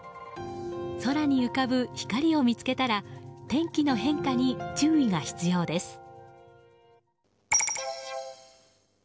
空に浮かぶ光を見つけたら天気の変化に注意が必要です。